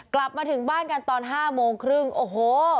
กลับมาถึงบ้านกันตอน๕โมงครึ่งโอ้โห